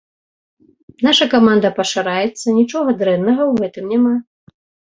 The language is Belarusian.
Наша каманда пашыраецца, нічога дрэннага ў гэтым няма.